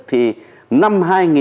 thì năm hai nghìn một mươi bảy